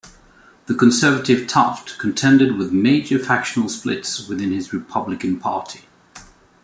The conservative Taft contended with major factional splits within his Republican Party.